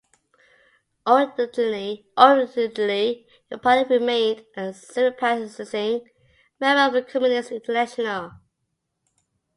Originally the party remained a sympathising member of Communist International.